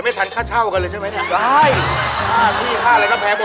พี่โรย